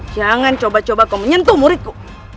jangan coba coba kau menyentuh muridku